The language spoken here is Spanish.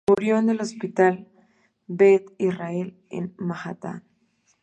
Murió en el Hospital Beth Israel en Manhattan.